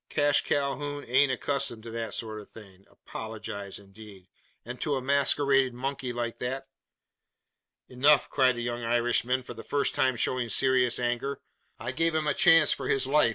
"Cash Calhoun ain't accustomed to that sort of thing. Apologise indeed! And to a masquerading monkey like that!" "Enough!" cried the young Irishman, for the first time showing serious anger; "I gave him a chance for his life.